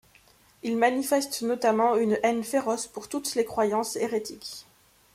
Il manifeste notamment une haine féroce pour toutes les croyances hérétiques.